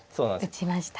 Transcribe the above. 打ちました。